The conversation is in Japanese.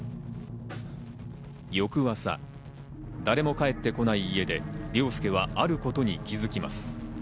翌朝、誰も帰ってこない家で凌介はあることに気づきます。